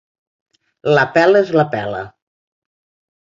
La pela és la pela.